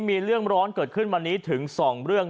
มีเรื่องร้อนเกิดขึ้นวันนี้ถึง๒เรื่อง